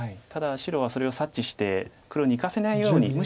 ただ白はそれを察知して黒にいかせないように。